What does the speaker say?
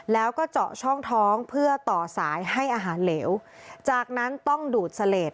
แล้วก็เจาะช่องท้องเพื่อต่อสายให้อาหารเหลวจากนั้นต้องดูดเสลด